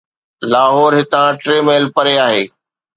لاهور هتان ٽي ميل پري آهي